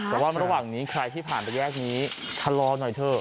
แต่ว่าระหว่างนี้ใครที่ผ่านไปแยกนี้ชะลอหน่อยเถอะ